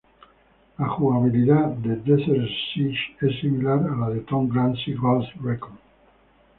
La jugabilidad de "Desert Siege" es similar a la de "Tom Clancy's Ghost Recon".